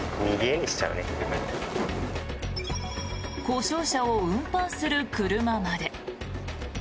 故障車を運搬する車まで。